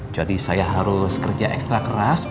jadi saya harus kerja ekstra keras